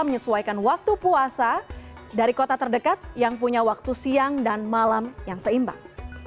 menyesuaikan waktu puasa dari kota terdekat yang punya waktu siang dan malam yang seimbang